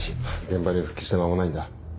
現場に復帰して間もないんだ。